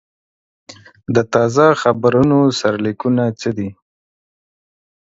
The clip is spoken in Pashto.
د تازه خبرونو سرلیکونه څه دي؟